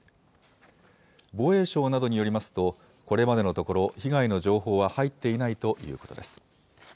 防衛省などによりますと、これまでのところ、被害の情報は入っていないということです。